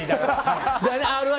「Ｒ‐１」